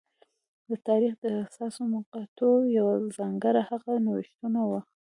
د تاریخ د حساسو مقطعو یوه ځانګړنه هغه نوښتونه وو